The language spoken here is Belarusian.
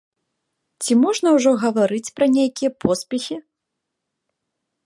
Ці можна ўжо гаварыць пра нейкія поспехі?